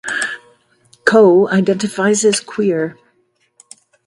Koe identifies as queer.